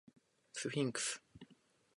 スフィンクス